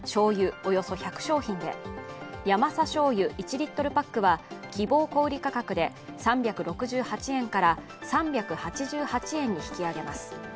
およそ１００商品でヤマサしょうゆ１Ｌパックは希望小売価格で３６８円から３８８円に引き上げます。